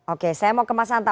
oke saya mau ke mas hanta